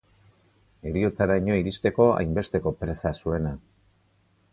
Heriotzaraino iristeko hainbesteko presa zuena.